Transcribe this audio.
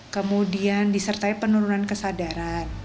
kemudian disertai penurunan kesadaran